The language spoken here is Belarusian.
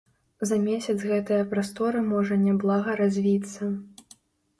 За месяц гэтае прастора можа няблага развіцца.